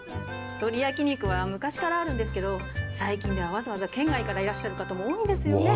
鳥焼肉は昔からあるんですけど最近ではわざわざ県外からいらっしゃる方も多いんですよねぇ。